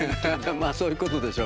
まあそういうことでしょうけどね。